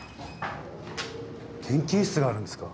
研究室があるんですか？